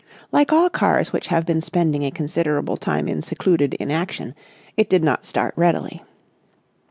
Like all cars which have been spending a considerable time in secluded inaction, it did not start readily.